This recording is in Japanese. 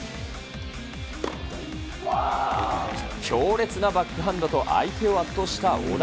強烈なバックハンドと相手を圧倒した小田。